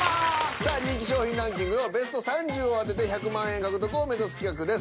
さあ人気商品ランキングのベスト３０を当てて１００万円獲得を目指す企画です。